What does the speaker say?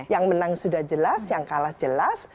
yang menang sudah jelas yang kalah jelas